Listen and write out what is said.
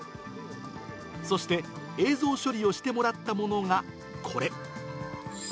そして、映像処理をしてもらったものがこれ。